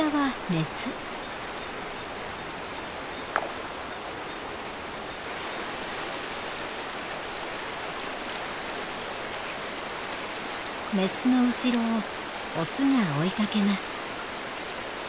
メスの後ろをオスが追いかけます。